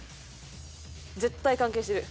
絶対関係してる。